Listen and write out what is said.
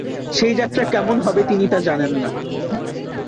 সেই যাত্রা কেমন হবে তিনি জানেন না।